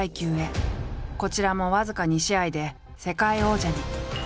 こちらも僅か２試合で世界王者に。